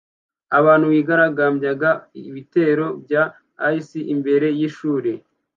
Abantu bigaragambyaga ibitero bya ICE imbere yishuri